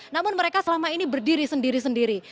namun mereka selama ini berdiri sendiri sendiri